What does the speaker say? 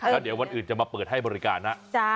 แล้วเดี๋ยววันอื่นจะมาเปิดให้บริการนะ